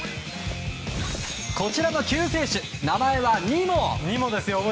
こちらの救世主、名前はニモ。